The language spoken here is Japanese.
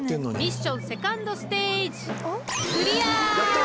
ミッションセカンドステージやった！